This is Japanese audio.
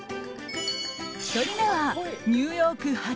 １人目はニューヨーク発！